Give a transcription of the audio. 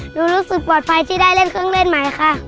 รู้สึกปลอดภัยที่ได้เล่นเครื่องเล่นใหม่ค่ะ